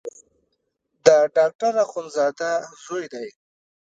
د ډاکټر اخندزاده زوی دی.